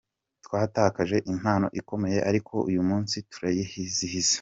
Twatakaje impano ikomeye ariko uyu munsi turayizihiza.